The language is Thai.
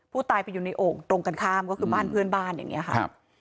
ผู้ตายไปอยู่ในโอ่งตรงกันข้ามก็คือบ้านเพื่อนบ้านอย่างนี้ค่ะ